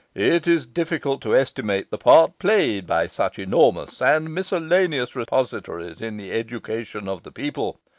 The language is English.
It is difficult to estimate the part played by such enormous and miscellaneous repositories in the education of the people.